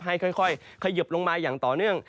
ค่อยเขยิบลงมาอย่างต่อเนื่อง